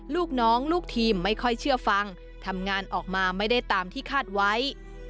ลูกน้องลูกทีมไม่ค่อยเชื่อฟังทำงานออกมาไม่ได้ตามที่คาดไว้